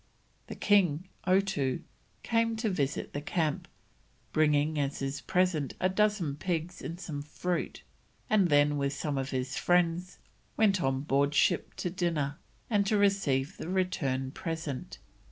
The king, Otoo, came to visit the camp, bringing as his present a dozen pigs and some fruit, and then with some of his friends went on board ship to dinner, and to receive the return present.